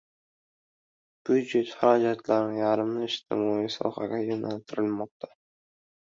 Byudjet xarajatlarining yarmi ijtimoiy sohaga yo‘naltirilmoqda